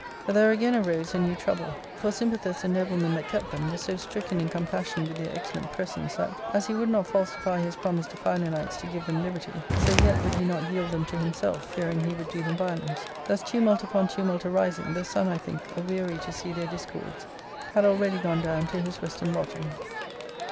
But there again arose a new trouble ; for Sympathus, the nobleman that kept them, was so stricken in compassion With their excellent presence that, as he would not falsify his promise to Philanax to give them liberty, so yet would he not yield them to himself, fearing he would do them violence. Thus tumult upon tumult arising, the sun, I think, aweary to see their discords, had already gone down to his western lodging.